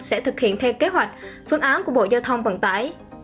sẽ thực hiện theo kế hoạch phương án của bộ giao thông vận tải